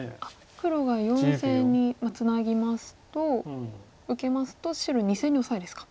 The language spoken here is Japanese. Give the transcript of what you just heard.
黒が４線にツナぎますと受けますと白２線にオサエですか。